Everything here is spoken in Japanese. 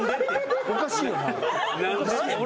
おかしいよな？